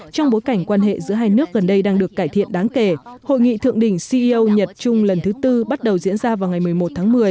trong bối cảnh quan hệ giữa hai nước gần đây đang được cải thiện đáng kể hội nghị thượng đỉnh ceo nhật trung lần thứ tư bắt đầu diễn ra vào ngày một mươi một tháng một mươi